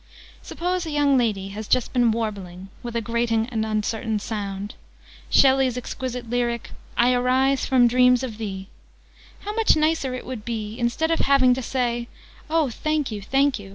Suppose a young lady has just been warbling ['with a grating and uncertain sound') Shelley's exquisite lyric 'I arise from dreams of thee': how much nicer it would be, instead of your having to say "Oh, thank you, thank you!"